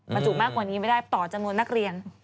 บรรจุมากกว่านี้ไม่ได้ต่อจำนวนนักเรียน